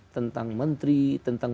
tentang menteri tentang